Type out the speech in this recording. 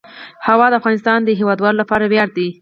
هوا د افغانستان د هیوادوالو لپاره ویاړ دی.